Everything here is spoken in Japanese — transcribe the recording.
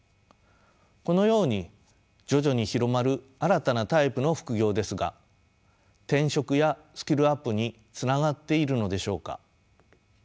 このように徐々に広まる新たなタイプの副業ですが転職やスキルアップにつながっているのでしょうか。